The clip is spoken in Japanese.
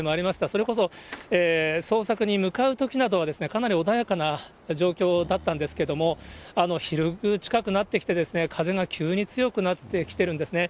それこそ、捜索に向かうときなどは、かなり穏やかな状況だったんですけども、昼近くなってきて、風が急に強くなってきてるんですね。